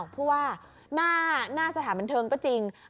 เพราะว่าหน้าสถานบันเทิงก็จริง